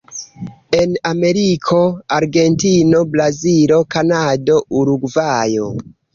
En Ameriko: Argentino, Brazilo, Kanado, Urugvajo.